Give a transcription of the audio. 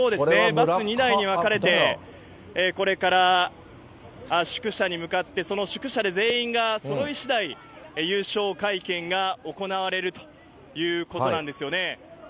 バス２台に分かれて、これから宿舎に向かって、その宿舎で全員がそろいしだい、優勝会見が行われるということなんですよね。